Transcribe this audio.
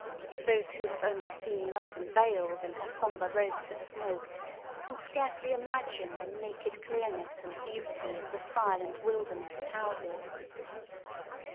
Those who have only seen London veiled in her sombre robes of smoke can scarcely imagine the naked clearness and beauty of the silent wilderness of houses.